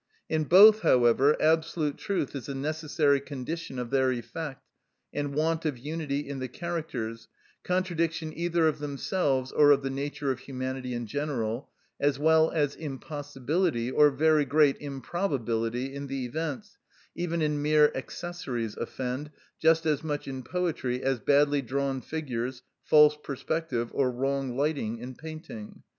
In both, however, absolute truth is a necessary condition of their effect, and want of unity in the characters, contradiction either of themselves or of the nature of humanity in general, as well as impossibility, or very great improbability in the events, even in mere accessories, offend just as much in poetry as badly drawn figures, false perspective, or wrong lighting in painting.